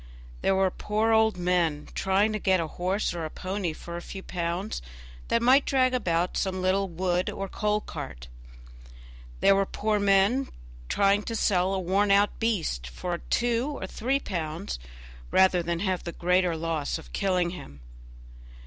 There were poor old men, trying to get a horse or a pony for a few pounds, that might drag about some little wood or coal cart. There were poor men trying to sell a worn out beast for two or three pounds, rather than have the greater loss of killing him.